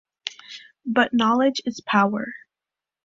But knowledge is power.